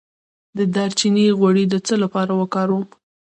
د دارچینی غوړي د څه لپاره وکاروم؟